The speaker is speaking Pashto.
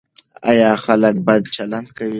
ایا خلک بد چلند کوي؟